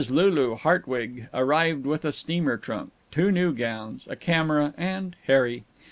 Lulu Hartwig arrived with a steamer trunk, two new gowns, a camera, and Harry.